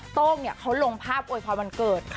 โต้งเขาลงภาพโวยพรวันเกิด